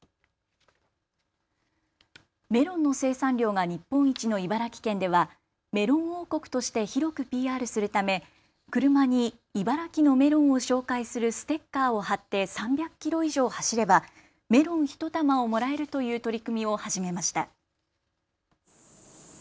メロンの生産量が日本一の茨城県ではメロン王国として広くＰＲするため車に茨城のメロンを紹介するステッカーを貼って３００キロ以上走ればメロン１玉をもらえるという取り組みを始めました。